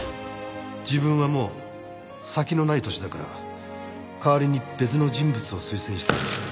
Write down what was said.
「自分はもう先のない歳だから代わりに別の人物を推薦したい」